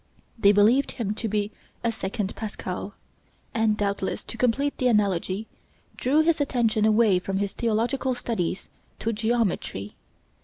They believed him to be a second Pascal; and, doubtless to complete the analogy, drew his attention away from his theological studies to geometry.